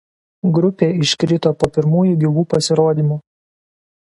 Grupė iškrito po pirmųjų gyvų pasirodymų.